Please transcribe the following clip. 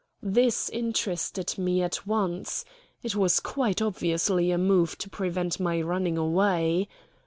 This interested me at once. It was quite obviously a move to prevent my running away.